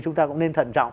chúng ta cũng nên thận trọng